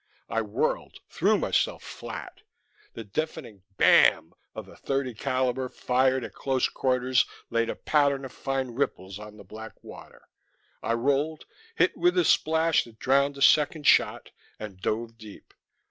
I whirled, threw myself flat. The deafening bam! of a .30 calibre fired at close quarters laid a pattern of fine ripples on the black water. I rolled, hit with a splash that drowned a second shot, and dove deep.